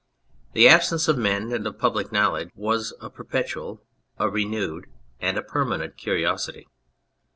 The absence of men and of public knowledge was a perpetual, a renewed, and a permanent curiosity.